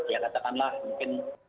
ya katakanlah mungkin